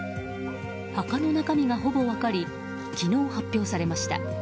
墓の中身がほぼ分かり昨日、発表されました。